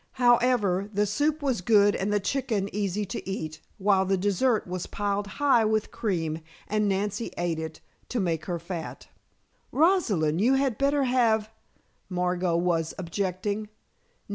However, the soup was good and the chicken easy to eat, while the dessert was piled high with cream and Nancy ate it to make her fat. "Rosalind, you had better have " Margot was objecting.